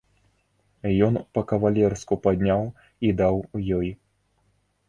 Ён па-кавалерску падняў і даў ёй.